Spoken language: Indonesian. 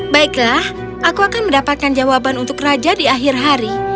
baiklah aku akan mendapatkan jawaban untuk raja di akhir hari